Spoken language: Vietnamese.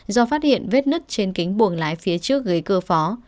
do phát hiện vết nứt trên kính buồng lái phía trước gây cơ phó